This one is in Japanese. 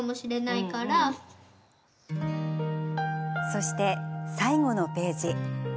そして、最後のページ。